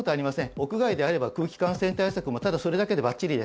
屋外であれば空気感染対策もただそれだけでバッチリです。